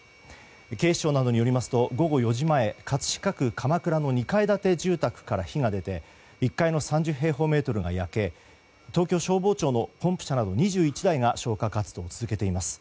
警視庁などによりますと午後４時前、葛飾区鎌倉の２階建て住宅から火が出て１階の３０平方メートルが焼け東京消防庁のポンプ車など２１台が消火活動を続けています。